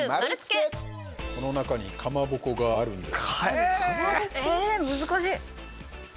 この中にかまぼこがあるんです。